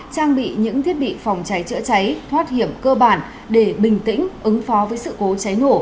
trang bị những thiết bị phòng cháy chữa cháy thoát hiểm cơ bản để bình tĩnh ứng phó với sự cố cháy nổ